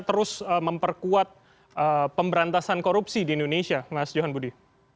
terus memperkuat pemberantasan korupsi di indonesia mas johan budi